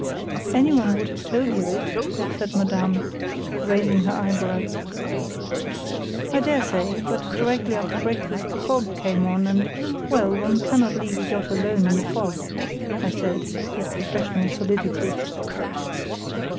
"Anyone would have told you it," said Madame, raising her eyebrows. "I dare say; but directly after breakfast the fog came on, and—well, one cannot leave a yacht alone in a fog," I said, with professional solidity.